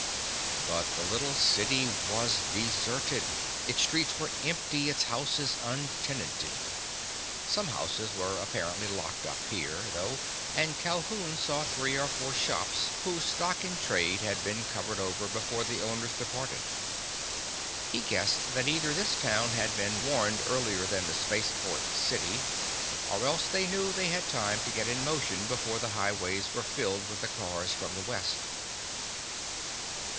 But the little city was deserted. Its streets were empty, its houses untenanted. Some houses were apparently locked up here, though, and Calhoun saw three or four shops whose stock in trade had been covered over before the owners departed. He guessed that either this town had been warned earlier than the spaceport city, or else they knew they had time to get in motion before the highways were filled with the cars from the west.